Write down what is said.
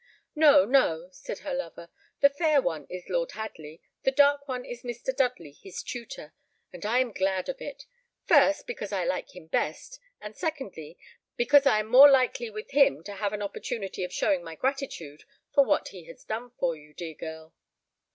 "No, no," said her lover; "the fair one is Lord Hadley, the dark one is Mr. Dudley, his tutor, and I am glad of it; first, because I like him best, and secondly, because I am more likely with him to have an opportunity of showing my gratitude for what he has done for you, dear girl.